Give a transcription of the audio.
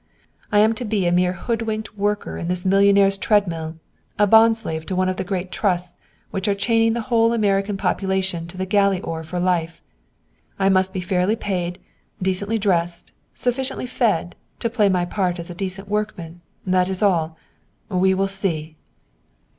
"I am to be a mere hoodwinked worker in this millionaire's treadmill. A bond slave to one of the great Trusts which are chaining the whole American population to the galley oar for life. "I must be fairly paid, decently dressed, sufficiently fed, to play my part as a decent workman; that is all. We will see!"